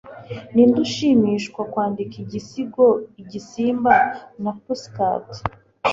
Ninde Ushimirwa Kwandika Igisigo Igisimba na Pussycat